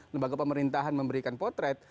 lembaga pemerintahan memberikan potret